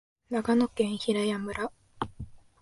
長野県平谷村